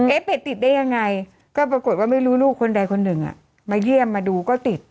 เพจติดได้ยังไงก็ปรากฏว่าไม่รู้ลูกคนใดคนหนึ่งอ่ะมาเยี่ยมมาดูก็ติด